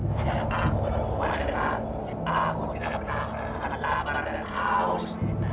sejak aku berumah denganmu aku tidak pernah merasakan lapar dan haus